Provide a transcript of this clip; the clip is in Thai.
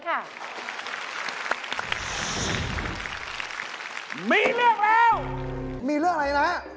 ไม่ใช่เมมเบอร์แบบตันไง